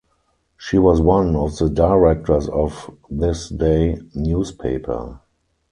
She was one of the directors of Thisday Newspaper.